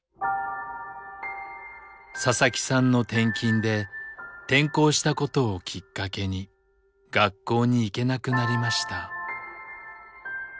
佐々木さんの転勤で転校したことをきっかけに学校に行けなくなりました。